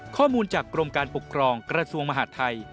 ข้อมูลจากกรมการปกครองกระทรวงมหาดไทย